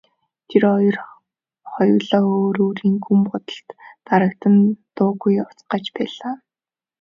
Тэр хоёр хоёулаа өөр өөрийн гүн бодолд дарагдан дуугүй явцгааж байлаа.